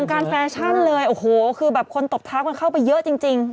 การแฟชั่นเลยโอ้โหคือแบบคนตบเท้ามันเข้าไปเยอะจริง